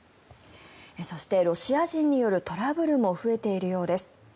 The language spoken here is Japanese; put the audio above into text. そしてロシア人によるトラブルも増えているということです。